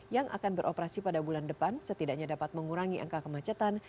yang akan beroperasi pada bulan depan setidaknya dapat mengurangi angka kemacetan